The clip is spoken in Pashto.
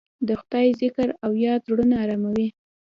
د خدای ذکر او یاد زړونه اراموي.